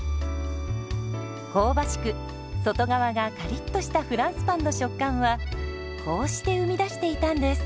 香ばしく外側がカリッとしたフランスパンの食感はこうして生み出していたんです。